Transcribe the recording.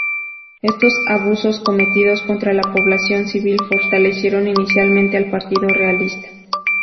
Estos abusos cometidos contra la población civil fortalecieron inicialmente al partido realista.